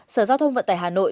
sở giao thông vận tải hà nội